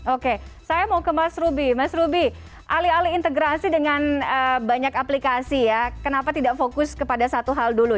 oke saya mau ke mas ruby mas ruby alih alih integrasi dengan banyak aplikasi ya kenapa tidak fokus kepada satu hal dulu